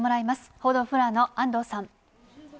報道フロアの安藤さん。